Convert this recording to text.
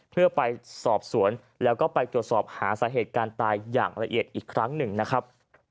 เพื่อไปสอบสวนแล้วก็ไปตรวจสอบหาสาเหตุการตายอย่างละเอียดอีกครั้งหนึ่งนะครับ